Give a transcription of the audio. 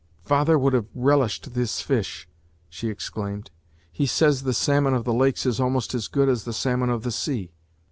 "Father would have relished this fish," she exclaimed; "he says the salmon of the lakes is almost as good as the salmon of the sea."